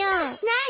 何？